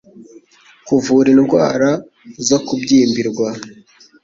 kuvura indwara zo kubyimbirwa